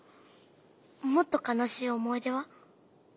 もっと悲しい思い出は？